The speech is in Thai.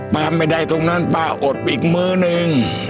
ป้าไม่ได้ตรงนั้นป้าอดไปอีกมื้อหนึ่ง